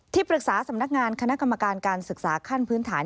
ปรึกษาสำนักงานคณะกรรมการการศึกษาขั้นพื้นฐาน